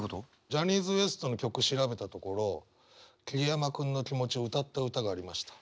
ジャニーズＷＥＳＴの曲調べたところ桐山君の気持ちを歌った歌がありました。